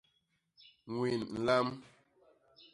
Ñwin nlam.